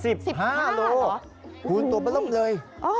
สิบห้าโลกรัมเหรอคูณตัวประลบเลย